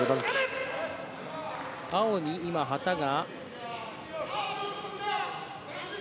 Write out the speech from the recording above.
青に今旗が。